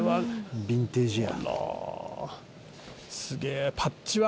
「ビンテージや」